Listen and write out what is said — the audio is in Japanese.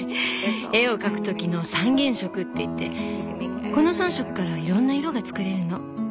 絵を描くときの「３原色」っていってこの３色からいろんな色が作れるの。